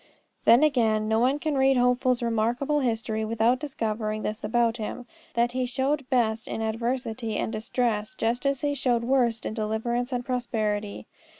Then, again, no one can read Hopeful's remarkable history without discovering this about him, that he showed best in adversity and distress, just as he showed worst in deliverance and prosperity.